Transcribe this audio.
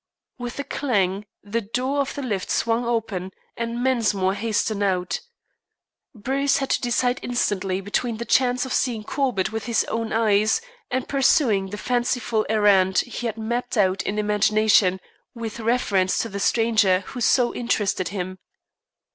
With a clang the door of the lift swung open and Mensmore hastened out. Bruce had to decide instantly between the chance of seeing Corbett with his own eyes and pursuing the fanciful errand he had mapped out in imagination with reference to the stranger who so interested him.